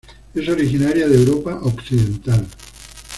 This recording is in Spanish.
Es originaria de Europa occidental.